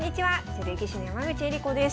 女流棋士の山口恵梨子です。